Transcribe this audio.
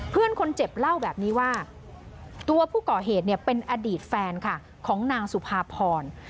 เพื่อนคนเจ็บเล่าแบบนี้ว่าตัวผู้ก่อเหตุเนี่ยเป็นอดีตแฟนค่ะของนางสุภาพร